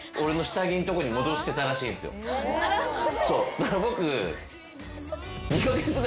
だから僕。